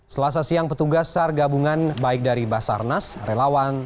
selasa siang petugas sar gabungan baik dari basarnas relawan